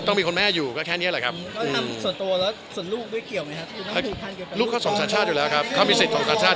ยังไม่คิดอย่างไรครับเค้าบอกว่าจะขอคุยกันก่อนครับ